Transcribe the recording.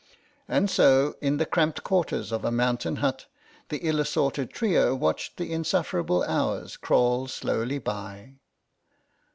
And so, in the cramped quarters of a mountain hut, the ill assorted trio watched the insufferable hours crawl slowly by.